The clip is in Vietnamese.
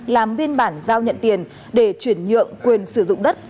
làm biên bản giao nhận tiền để chuyển nhượng quyền sử dụng đất